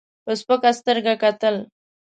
په سپکه سترګه کتل.